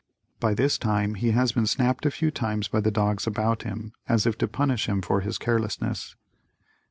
By this time he has been snapped a few times by the dogs about him as if to punish him for his carelessness.